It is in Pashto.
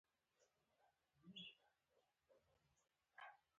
کېله د عمر زیاتېدو سره هم خوړل کېږي.